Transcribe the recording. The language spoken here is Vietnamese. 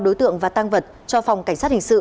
đối tượng và tăng vật cho phòng cảnh sát hình sự